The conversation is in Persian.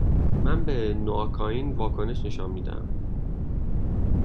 من به نواکائین واکنش نشان می دهم.